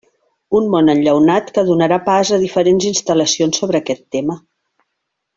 Un món enllaunat que donarà pas a diferents instal·lacions sobre aquest tema.